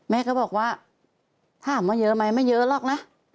แม่ก็บอกว่าถามว่าเยอะไหมไม่เยอะหรอกนะ